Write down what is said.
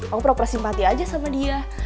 aku pura pura simpati aja sama dia